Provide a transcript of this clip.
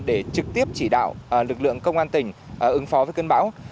để trực tiếp chỉ đạo lực lượng công an tỉnh ứng phó với cơn bão